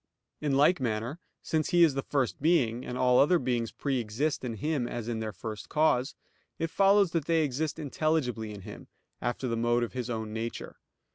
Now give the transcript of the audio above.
In like manner, since He is the First Being, and all other beings pre exist in Him as in their First Cause, it follows that they exist intelligibly in Him, after the mode of His own Nature.